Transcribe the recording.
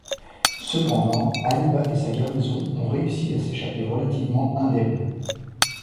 Cependant, Hannibal et sa garnison ont réussi à s'échapper relativement indemnes.